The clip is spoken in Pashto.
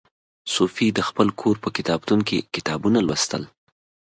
صوفي د خپل کور په کتابتون کې کتابونه لوستل.